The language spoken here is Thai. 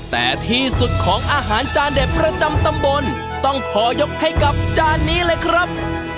แต่ที่สุดของอาหารจานเด็ดประจำตำบลต้องขอยกให้กับจานนี้เลยครับ